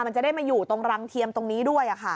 มันจะได้มาอยู่ตรงรังเทียมตรงนี้ด้วย